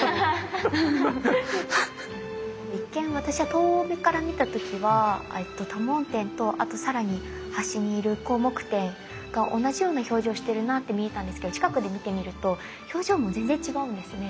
一見私は遠目から見た時は多聞天と更に端にいる広目天が同じような表情してるなって見えたんですけど近くで見てみると表情も全然違うんですね。